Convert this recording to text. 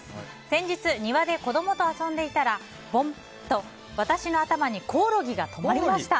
先日、庭で子供と遊んでいたらボン！と私の頭にコオロギが止まりました。